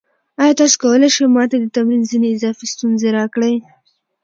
ایا تاسو کولی شئ ما ته د تمرین ځینې اضافي ستونزې راکړئ؟